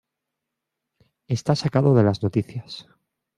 Está sacado de las noticias.